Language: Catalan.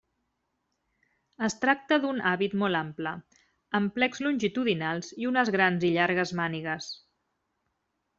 Es tracta d'un hàbit molt ample, amb plecs longitudinals i unes grans i llargues mànigues.